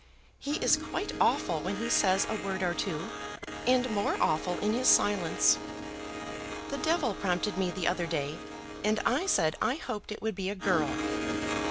He is quite awful when he says a word or two, and more awful in his silence. The devil prompted me the other day, and I said I hoped it would be a girl.